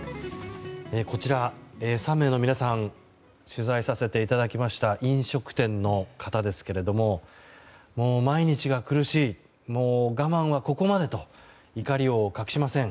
こちら、３名の皆さん取材させていただきました飲食店の方ですけれども毎日が苦しいもう我慢はここまでと怒りを隠しません。